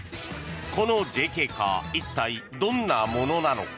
このＪＫ課一体どんなものなのか。